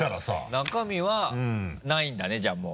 中身はないんだねじゃあもう。